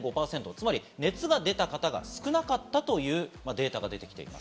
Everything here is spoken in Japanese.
つまり熱が出た方が少なかったというデータが出てきています。